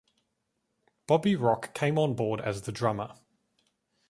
Bobby Rock came on board as the drummer.